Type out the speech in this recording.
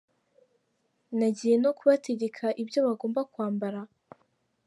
Nagiye no kubategeka ibyo bagomba kwambara????